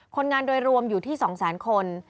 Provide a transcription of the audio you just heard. คนงานโดยรวมอยู่ที่๒แสนคน